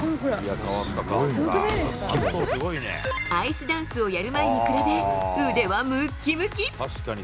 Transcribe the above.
アイスダンスをやる前に比べ腕はムッキムキ。